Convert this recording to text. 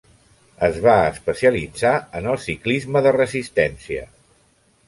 Es va especialitzar en el ciclisme de resistència.